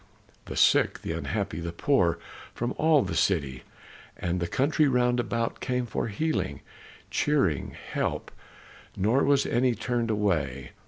The sick, the unhappy, the poor from all the city and the country round about came for healing, cheering, help; nor was any turned away.